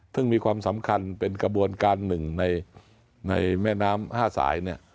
ซึ่งมีความสำคัญเป็นกระบวนการหนึ่งในแม่น้ำ๕สาย